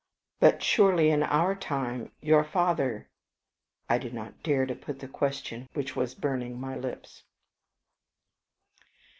But surely in our own time your father?" I did not dare to put the question which was burning my lips.